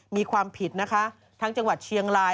มีความผิดนะคะทั้งจังหวัดเชียงราย